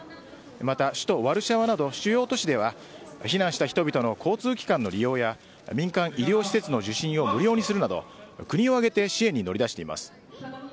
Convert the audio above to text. また、首都・ワルシャワなど主要都市では避難した人々の交通機関の利用や民間医療施設の受診を無料にするなど国を挙げて支援に乗り出しています。